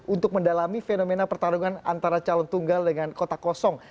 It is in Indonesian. untuk mendalami fenomena pertarungan antara calon tunggal dengan kota kosong